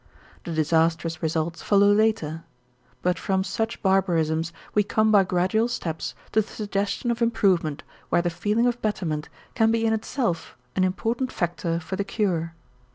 The disastrous results follow later. But from such barbarisms we come by gradual steps to the suggestion of improvement where the feeling of betterment can be in itself an important factor for the cure.